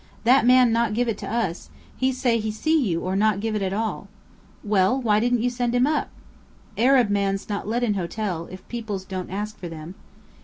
"That man not give it to us. He say he see you or not give it at all." "Well, why didn't you send him up?" "Arab mans not let in hotel, if peoples don't ask for them."